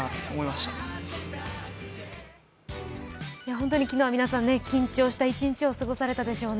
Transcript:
本当に昨日は皆さん、緊張した一日を過ごされたでしょうね。